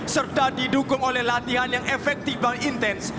serta didukung oleh latihan yang efektif dan intens